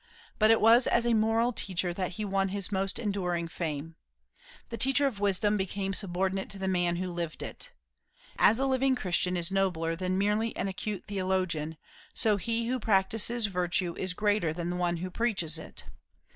But it was as a moral teacher that he won his most enduring fame. The teacher of wisdom became subordinate to the man who lived it. As a living Christian is nobler than merely an acute theologian, so he who practises virtue is greater than the one who preaches it.